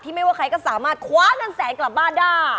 ไม่ว่าใครก็สามารถคว้าเงินแสนกลับบ้านได้